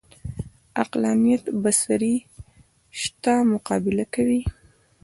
عقلانیت بڅري شته مقابله کوي